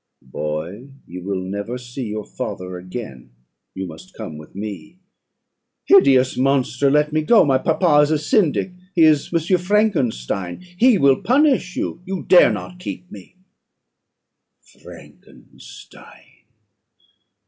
"'Boy, you will never see your father again; you must come with me.' "'Hideous monster! let me go. My papa is a Syndic he is M. Frankenstein he will punish you. You dare not keep me.' "'Frankenstein!